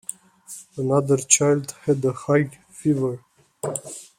Another child had a high fever.